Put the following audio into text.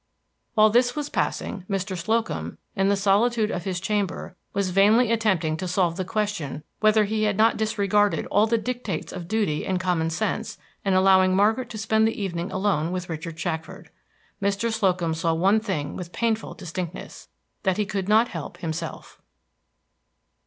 While this was passing, Mr. Slocum, in the solitude of his chamber, was vainly attempting to solve the question whether he had not disregarded all the dictates of duty and common sense in allowing Margaret to spend the evening alone with Richard Shackford. Mr. Slocum saw one thing with painful distinctness that he could not help himself.